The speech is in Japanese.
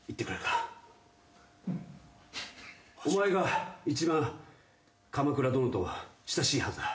お前が一番鎌暗殿と親しいはずだ。